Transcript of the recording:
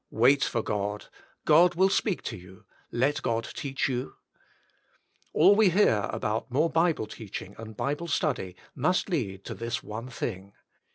Wait for God. God will speak to you. Let God teach you ?" All we hear about more Bible teaching and Bible study must lead to this one thing.